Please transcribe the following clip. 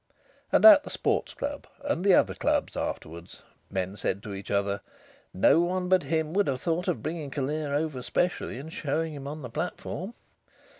And at the Sports Club and the other clubs afterwards, men said to each other: "No one but him would have thought of bringing Callear over specially and showing him on the platform....